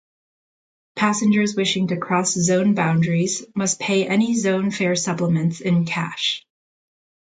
Passengers wishing to cross zone boundaries must pay any zone fare supplements in cash.